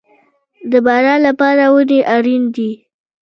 د باران لپاره ونې اړین دي